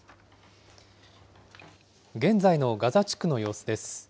現在のガザ地区の様子です。